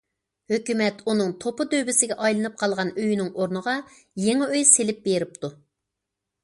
ھۆكۈمەت ئۇنىڭ توپا دۆۋىسىگە ئايلىنىپ قالغان ئۆيىنىڭ ئورنىغا يېڭى ئۆي سېلىپ بېرىپتۇ.